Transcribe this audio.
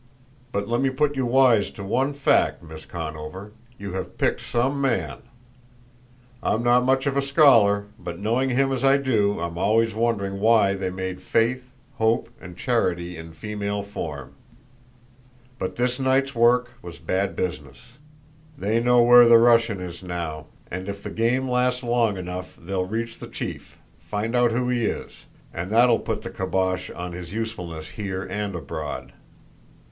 But let me put you wise to one fact, Miss Conover: you have picked some man! I'm not much of a scholar, but knowing him as I do I'm always wondering why they made Faith, Hope, and Charity in female form. But this night's work was bad business. They know where the Russian is now; and if the game lasts long enough they'll reach the chief, find out who he is; and that'll put the kibosh on his usefulness here and abroad.